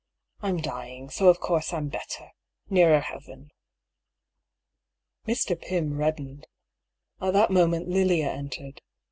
I'm dying, so of course I'm better, nearer heaven." Mr. Pym reddened. At that moment Lilia entered.